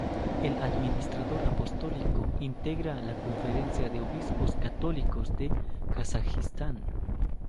El administrador apostólico integra la Conferencia de Obispos Católicos de Kazajistán.